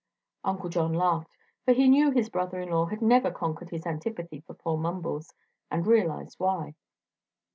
Uncle John laughed, for he knew his brother in law had never conquered his antipathy for poor Mumbles, and realized why.